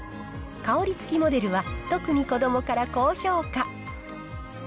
香り付きモデルは特に子どもから高評価。